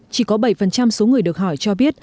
chỉ có bảy số người được hỏi cho biết